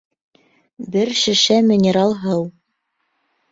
Бер шешә минерал һыу